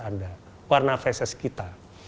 anda warna fesis kita